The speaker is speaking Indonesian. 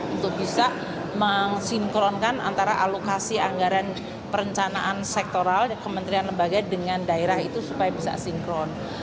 untuk bisa mengsinkronkan antara alokasi anggaran perencanaan sektoral kementerian lembaga dengan daerah itu supaya bisa sinkron